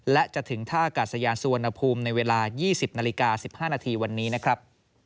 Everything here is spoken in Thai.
และจะถึงท่ากาศยานสุวรรณภูมิในเวลา๒๐นาฬิกา๑๕นาทีวันนี้นะครับ